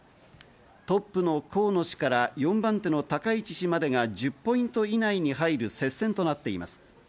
トップの河野氏から４番手の高市氏までが１０ポイント以内に入る接戦となっています。